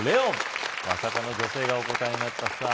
まさかの女性がお答えになったさぁ